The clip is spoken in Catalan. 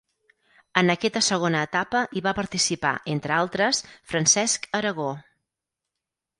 En aquesta segona etapa hi va participar, entre altres, Francesc Aragó.